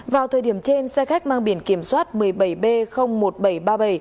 vào thời điểm trên xe khách mang biển kiểm soát một mươi bảy b một nghìn bảy trăm ba mươi bảy